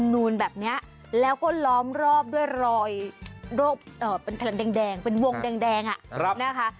นูนแบบนี้แล้วก็ล้อมรอบด้วยรอยโรคเป็นเทินแดงเป็นวงแดงนะคะ